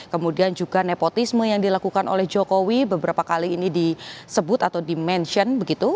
kemudian juga nepotisme yang dilakukan oleh jokowi beberapa kali ini disebut atau di mention begitu